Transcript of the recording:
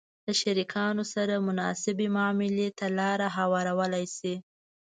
-له شریکانو سره مناسبې معاملې ته لار هوارولای شئ